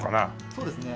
そうですね。